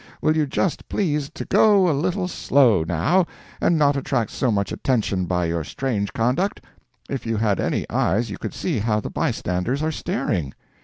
Will you just please to go a little slow, now, and not attract so much attention by your strange conduct? If you had any eyes you could see how the bystanders are staring."